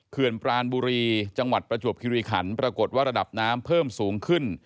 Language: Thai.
ปรานบุรีจังหวัดประจวบคิริขันปรากฏว่าระดับน้ำเพิ่มสูงขึ้น